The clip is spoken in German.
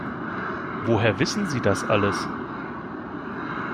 Woher wissen Sie das alles?